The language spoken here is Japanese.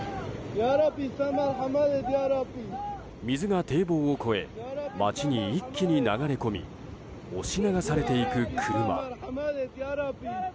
水が堤防を越え街に一気に流れ込み押し流されていく車。